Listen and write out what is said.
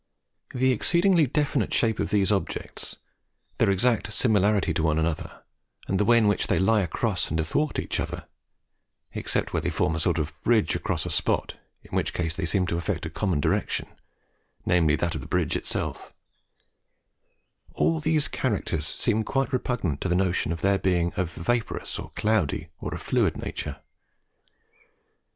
The exceedingly definite shape of these objects, their exact similarity one to another, and the way in which they lie across and athwart each other (except where they form a sort of bridge across a spot, in which case they seem to affect a common direction, that, namely, of the bridge itself), all these characters seem quite repugnant to the notion of their being of a vaporous, a cloudy, or a fluid nature.